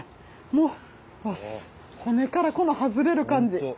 もう骨からこの外れる感じ。